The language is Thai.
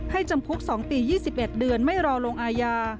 จำคุก๒ปี๒๑เดือนไม่รอลงอาญา